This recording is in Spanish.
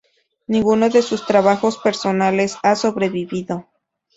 Ninguno de sus trabajos personales ha sobrevivido.